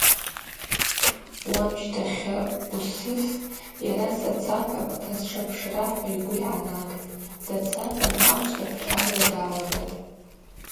Уамщтахьы Усыф – Йара сацапапӏта сшапшра – хӏва йгвы йгӏанагтӏ, дацапан амшв дапшӏалуа далагатӏ.